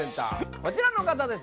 こちらの方です